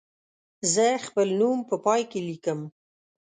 زه خپل نوم په پای کې لیکم.